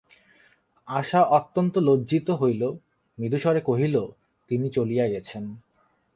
আশা অত্যন্ত লজ্জিত হইল–মৃদুস্বরে কহিল, তিনি চলিয়া গেছেন।